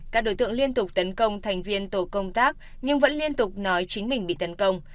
các đối tượng liên tục tấn công thành viên tổ công tác nhưng vẫn liên tục nói chính mình bị tấn công